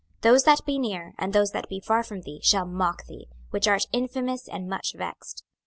26:022:005 Those that be near, and those that be far from thee, shall mock thee, which art infamous and much vexed.